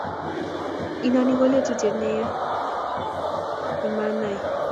inoni ko lelutient ne ya imanay